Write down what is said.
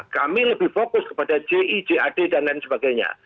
kami lebih fokus kepada ji jad dan lain sebagainya